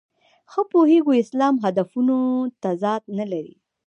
ښه پوهېږو اسلام هدفونو تضاد نه لري.